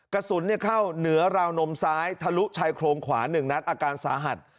กระสุนเข้าเหนือราวนมซ้ายทะลุชายโครงขวา๑นัดอาการสาหัส